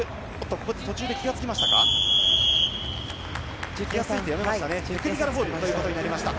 ここで途中で気がつきましたか。